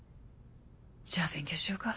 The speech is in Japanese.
じゃあ勉強しようか。